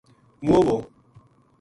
موؤ وو